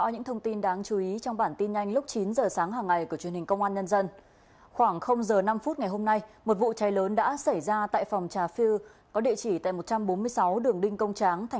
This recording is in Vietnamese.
hãy đăng ký kênh để ủng hộ kênh của chúng mình nhé